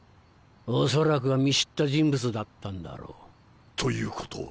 恐らくは見知った人物だったんだろう。ということは？